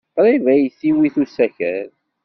Qrib ay t-iwit usakal.